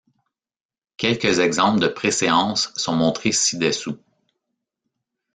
Quelques exemples de préséance sont montrés ci-dessous.